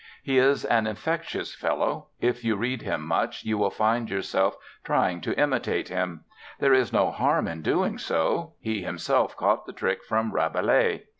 He is an infectious fellow: if you read him much you will find yourself trying to imitate him; there is no harm in doing so: he himself caught the trick from Rabelais.